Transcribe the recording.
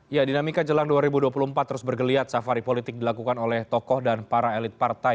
ya dinamika jelang dua ribu dua puluh empat terus bergeliat safari politik dilakukan oleh tokoh dan para elit partai